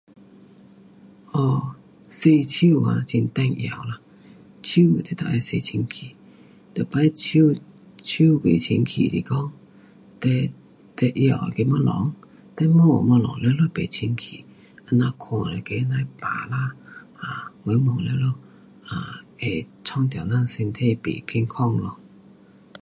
哦，洗手啊很重要啦，手你得要洗清洁。每次手，手不清洁是讲，你，你拿那个东西你摸的东西全部不清洁，这样款那样病啦，有的摸的全部弄到咱身体不健康咯。